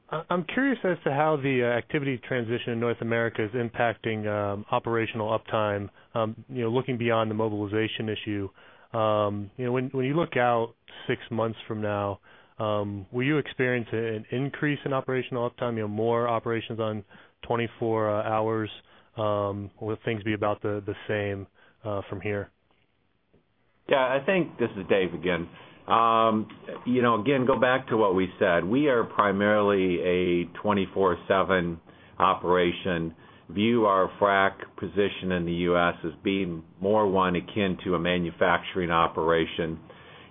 I'm curious as to how the activity transition in North America is impacting operational uptime, looking beyond the mobilization issue. When you look out six months from now, will you experience an increase in operational uptime, more operations on 24 hours? Will things be about the same from here? Yeah, I think this is Dave again. Go back to what we said. We are primarily a 24/7 operation. View our frac position in the U.S. as being more one akin to a manufacturing operation.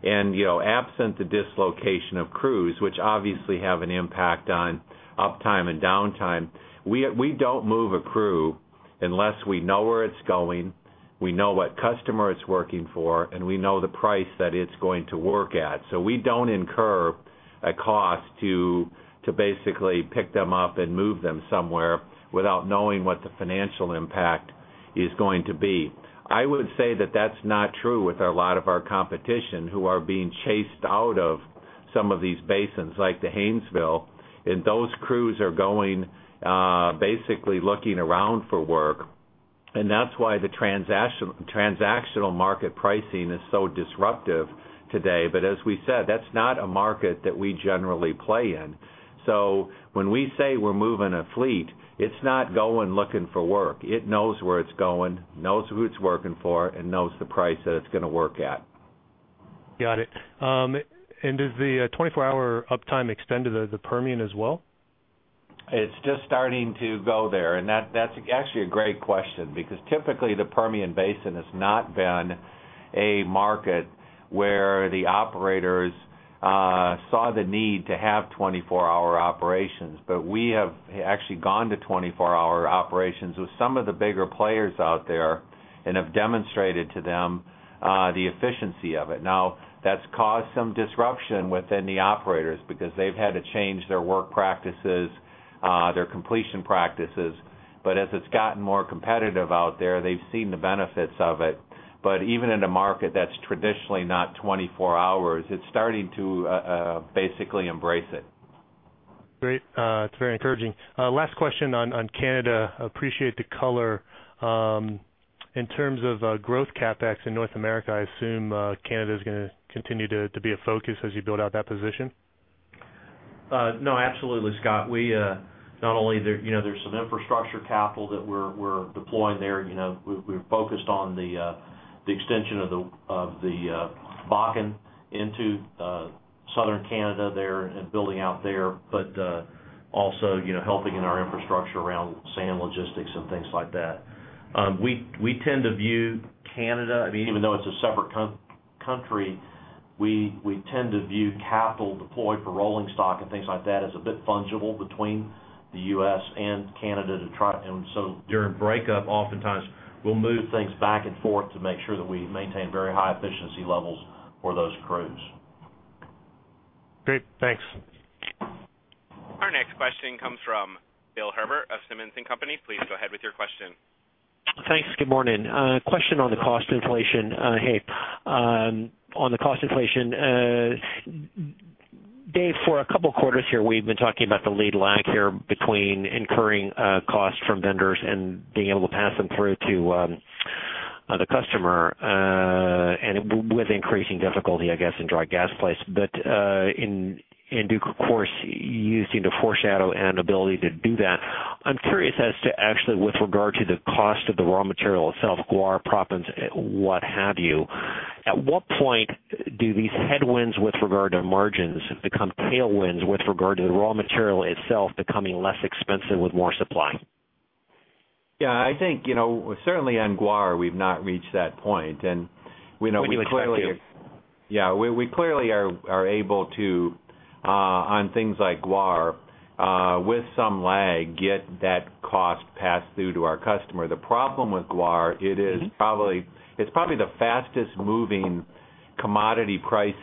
Absent the dislocation of crews, which obviously have an impact on uptime and downtime, we don't move a crew unless we know where it's going, we know what customer it's working for, and we know the price that it's going to work at. We don't incur a cost to basically pick them up and move them somewhere without knowing what the financial impact is going to be. I would say that that's not true with a lot of our competition who are being chased out of some of these basins like the Haynesville. Those crews are going basically looking around for work. That's why the transactional market pricing is so disruptive today. As we said, that's not a market that we generally play in. When we say we're moving a fleet, it's not going looking for work. It knows where it's going, knows who it's working for, and knows the price that it's going to work at. Got it. Is the 24-hour uptime extended to the Permian as well? It's just starting to go there. That's actually a great question because typically the Permian Basin has not been a market where the operators saw the need to have 24-hour operations. We have actually gone to 24-hour operations with some of the bigger players out there and have demonstrated to them the efficiency of it. Now, that's caused some disruption within the operators because they've had to change their work practices, their completion practices. As it's gotten more competitive out there, they've seen the benefits of it. Even in a market that's traditionally not 24 hours, it's starting to basically embrace it. Great. It's very encouraging. Last question on Canada. I appreciate the color. In terms of growth CapEx in North America, I assume Canada is going to continue to be a focus as you build out that position? No, absolutely, Scott. Not only is there some infrastructure capital that we're deploying there, we're focused on the extension of the Bakken into southern Canada and building out there, but also helping in our infrastructure around sand logistics and things like that. We tend to view Canada, even though it's a separate country, we tend to view capital deployed for rolling stock and things like that as a bit fungible between the U.S. and Canada. During breakup, oftentimes we'll move things back and forth to make sure that we maintain very high efficiency levels for those crews. Great, thanks. Our next question comes from Bill Herbert of Simmons & Company. Please go ahead with your question. Thanks, good morning. Question on the cost inflation. On the cost inflation, Dave, for a couple of quarters here, we've been talking about the lead lag here between incurring costs from vendors and being able to pass them through to the customer, with increasing difficulty, I guess, in dry gas plays. In due course, you seem to foreshadow an ability to do that. I'm curious as to actually with regard to the cost of the raw material itself, guar, proppants, what have you. At what point do these headwinds with regard to margins become tailwinds with regard to the raw material itself becoming less expensive with more supply? Yeah, I think, you know, certainly on guar, we've not reached that point. We clearly are able to, on things like guar, with some lag, get that cost passed through to our customer. The problem with guar is it's probably the fastest moving commodity price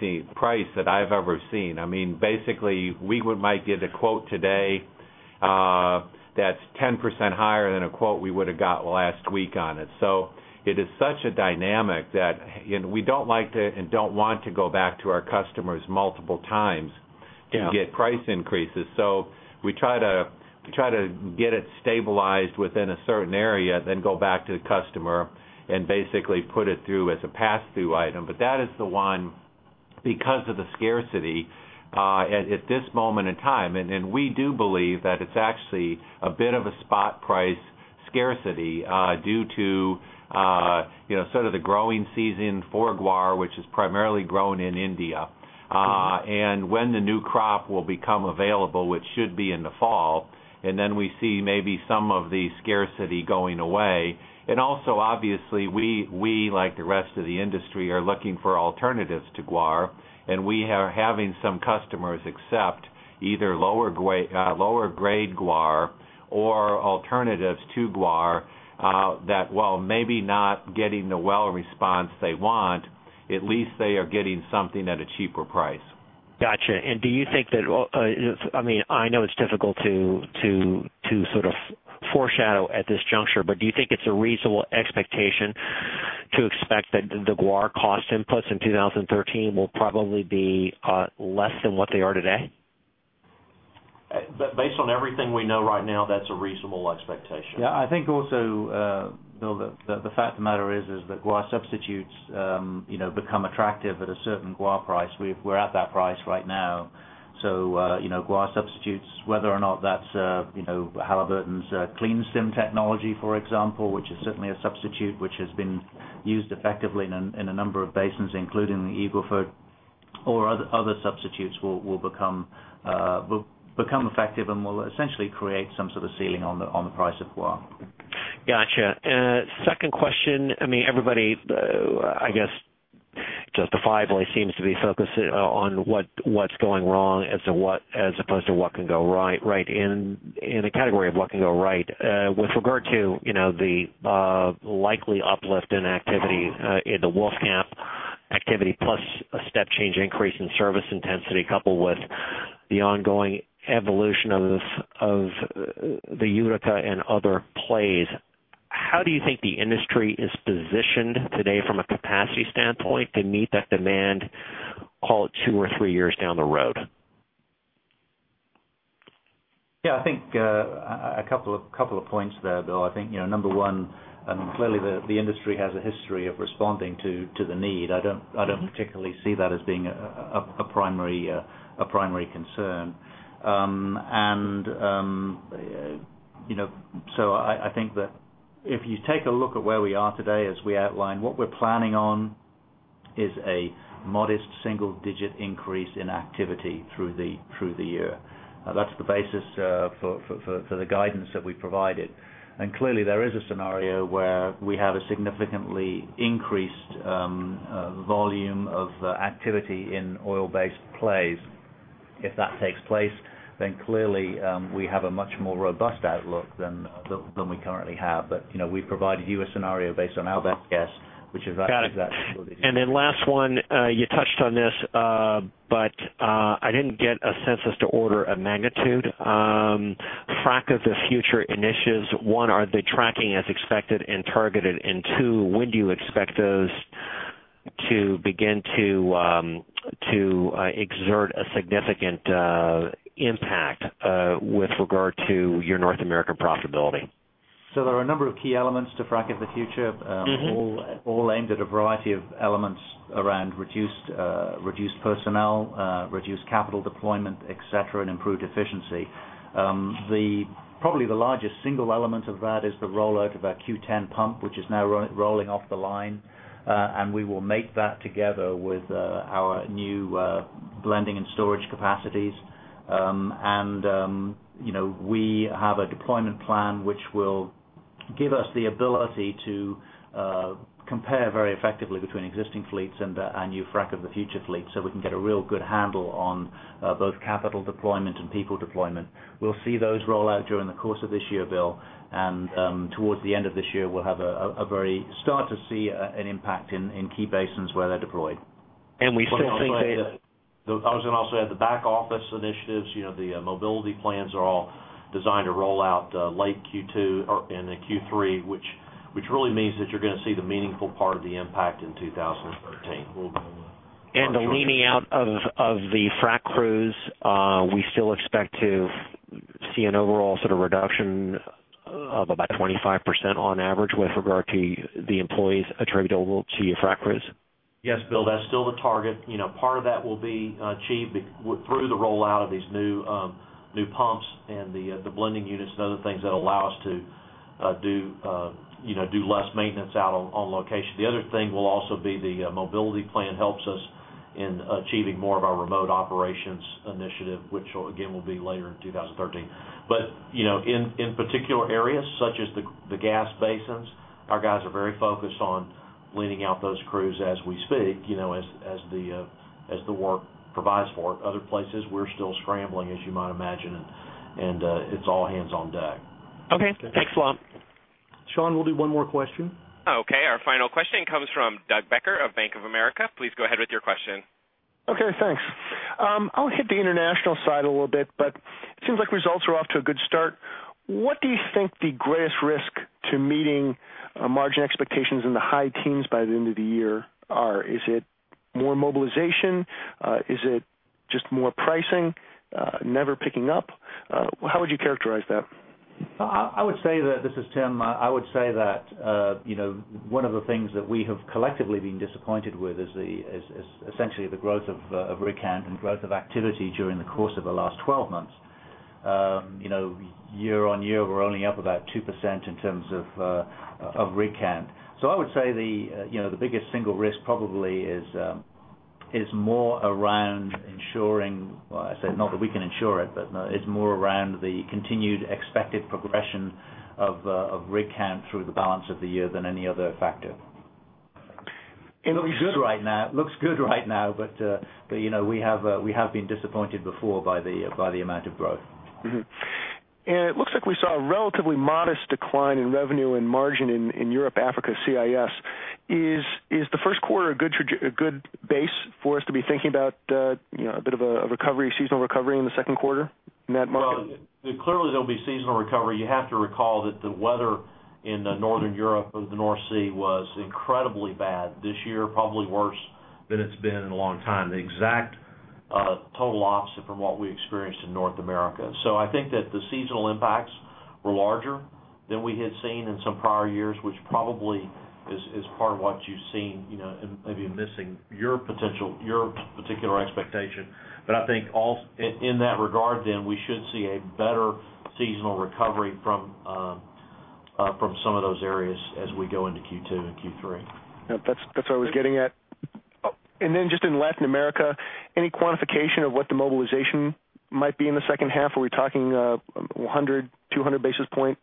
that I've ever seen. I mean, basically, we might get a quote today that's 10% higher than a quote we would have got last week on it. It is such a dynamic that we don't like to and don't want to go back to our customers multiple times to get price increases. We try to get it stabilized within a certain area, then go back to the customer and basically put it through as a pass-through item. That is the one, because of the scarcity, at this moment in time. We do believe that it's actually a bit of a spot price scarcity due to, you know, sort of the growing season for guar, which is primarily grown in India. When the new crop will become available, which should be in the fall, we see maybe some of the scarcity going away. Also, obviously, we, like the rest of the industry, are looking for alternatives to guar. We are having some customers accept either lower grade guar or alternatives to guar that, while maybe not getting the well response they want, at least they are getting something at a cheaper price. Gotcha. Do you think that, I mean, I know it's difficult to sort of foreshadow at this juncture, but do you think it's a reasonable expectation to expect that the guar cost inputs in 2013 will probably be less than what they are today? Based on everything we know right now, that's a reasonable expectation. Yeah, I think also, Bill, the fact of the matter is that guar substitutes become attractive at a certain guar price. We're at that price right now. Guar substitutes, whether or not that's Halliburton's CleanStim technology, for example, which is certainly a substitute which has been used effectively in a number of basins, including Eagle Ford, or other substitutes will become effective and will essentially create some sort of ceiling on the price of guar. Gotcha. Second question, I mean, everybody, I guess, seems to be focused on what's going wrong as opposed to what can go right. In the category of what can go right, with regard to, you know, the likely uplift in activity in the [Wolf camp] activity, plus a step change increase in service intensity, coupled with the ongoing evolution of the [EUDECA] and other plays, how do you think the industry is positioned today from a capacity standpoint to meet that demand, call it two or three years down the road? I think a couple of points there, Bill. I think, number one, clearly the industry has a history of responding to the need. I don't particularly see that as being a primary concern. If you take a look at where we are today, as we outlined, what we're planning on is a modest single-digit increase in activity through the year. That's the basis for the guidance that we provided. Clearly, there is a scenario where we have a significantly increased volume of activity in oil-based plays. If that takes place, we have a much more robust outlook than we currently have. We provided you a scenario based on our best guess, which is exactly that. You touched on this, but I didn't get a sense as to order of magnitude. Frac of the Future initiative, one, are they tracking as expected and targeted? Two, when do you expect those to begin to exert a significant impact with regard to your North American profitability? There are a number of key elements to Frac of the Future initiative, all aimed at a variety of elements around reduced personnel, reduced capital deployment, etc., and improved efficiency. Probably the largest single element of that is the rollout of our Q10 pumps, which is now rolling off the line. We will make that together with our new blending and storage capacities. We have a deployment plan which will give us the ability to compare very effectively between existing fleets and new Frac of the Future initiative fleets, so we can get a real good handle on both capital deployment and people deployment. We'll see those roll out during the course of this year, Bill. Towards the end of this year, we'll start to see an impact in key basins where they're deployed. I was going to also add the back office initiatives. You know, the mobility plans are all designed to roll out late Q2 and Q3, which really means that you're going to see the meaningful part of the impact in 2013. The leaning out of the frack crews, we still expect to see an overall sort of reduction of about 25% on average with regard to the employees attributable to your frack crews? Yes, Bill, that's still the target. Part of that will be achieved through the rollout of these new pumps and the blending units and other things that allow us to do less maintenance out on location. The other thing will also be the mobility plan helps us in achieving more of our remote operations initiative, which again will be later in 2013. In particular areas such as the gas basins, our guys are very focused on leaning out those crews as we speak, as the work provides for it. Other places, we're still scrambling, as you might imagine, and it's all hands on deck. Okay, excellent. Sean, we'll do one more question. Okay, our final question comes from Doug Becker of Bank of America. Please go ahead with your question. Okay, thanks. I'll hit the international side a little bit, but it seems like results are off to a good start. What do you think the greatest risk to meeting margin expectations in the high teens by the end of the year are? Is it more project mobilization? Is it just more pricing never picking up? How would you characterize that? I would say that, this is Tim, I would say that one of the things that we have collectively been disappointed with is essentially the growth of recant and growth of activity during the course of the last 12 months. Year on year, we're only up about 2% in terms of recant. I would say the biggest single risk probably is more around ensuring, I say not that we can ensure it, but it's more around the continued expected progression of recant through the balance of the year than any other factor. It looks good right now, but we have been disappointed before by the amount of growth. It looks like we saw a relatively modest decline in revenue and margin in Europe, Africa, CIS. Is the first quarter a good base for us to be thinking about a bit of a recovery, seasonal recovery in the second quarter in that market? There'll be seasonal recovery. You have to recall that the weather in Northern Europe of the North Sea was incredibly bad this year, probably worse than it's been in a long time. The exact total opposite from what we experienced in North America. I think that the seasonal impacts were larger than we had seen in some prior years, which probably is part of what you've seen, you know, and maybe missing your potential, your particular expectation. I think in that regard, then we should see a better seasonal recovery from some of those areas as we go into Q2 and Q3. That's what I was getting at. In Latin America, any quantification of what the mobilization might be in the second half? Are we talking 100, 200 basis point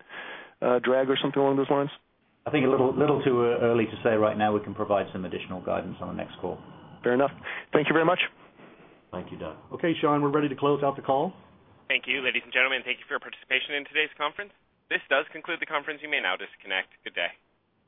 drag or something along those lines? I think it's a little too early to say right now. We can provide some additional guidance on the next call. Fair enough. Thank you very much. Thank you, Doug. Okay, Sean, we're ready to close out the call. Thank you, ladies and gentlemen. Thank you for your participation in today's conference. This does conclude the conference. You may now disconnect. Good day.